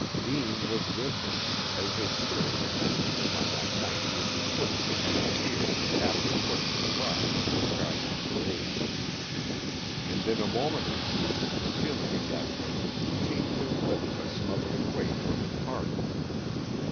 Deane was with him, as his spirit had been with him on that night he had returned to Pelliter after putting the cross over Scottie's grave. And in a moment or two the feeling of that presence seemed to lift the smothering weight from his heart.